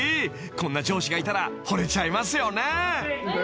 こんな上司がいたらほれちゃいますよね］